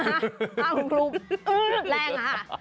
ห้ามคุณครูแรงนะฮะ